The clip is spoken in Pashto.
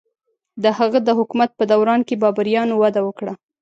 د هغه د حکومت په دوران کې بابریانو وده وکړه.